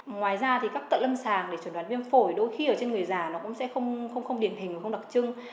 ngoài ra thì các cận lâm sàng để chuẩn đoán viêm phổi đôi khi ở trên người già nó cũng sẽ không điển hình và không đặc trưng